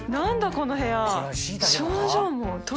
この部屋。